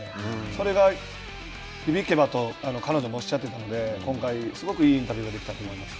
それが響けばと彼女もおっしゃってたので今回、すごくいいインタビューができたと思います。